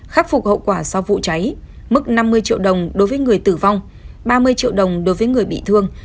khắc phục hậu quả sau vụ cháy mức năm mươi triệu đồng đối với người tử vong ba mươi triệu đồng đối với người bị thương